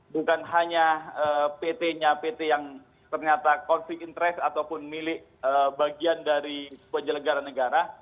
bukan hanya pt nya pt yang ternyata konflik interest ataupun milik bagian dari penyelenggara negara